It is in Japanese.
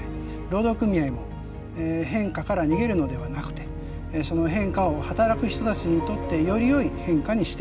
労働組合も変化から逃げるのではなくてその変化を働く人たちにとってよりよい変化にしていく。